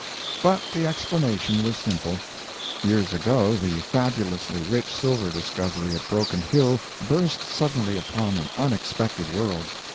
But the explanation was simple. Years ago the fabulously rich silver discovery at Broken Hill burst suddenly upon an unexpectant world.